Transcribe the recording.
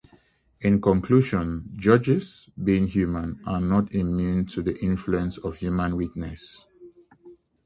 In conclusion, judges, being human, are not immune to the influence of human weaknesses.